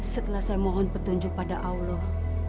setelah saya mohon petunjuk pada allah